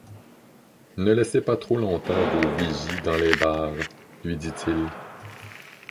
Ne laissez pas trop longtemps vos vigies dans les barres, lui dit-il.